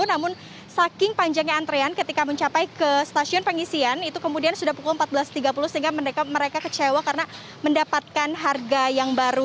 namun saking panjangnya antrean ketika mencapai ke stasiun pengisian itu kemudian sudah pukul empat belas tiga puluh sehingga mereka kecewa karena mendapatkan harga yang baru